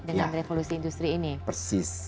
dengan revolusi industri ini persis